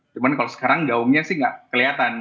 cuman kalau sekarang gaungnya sih gak kelihatan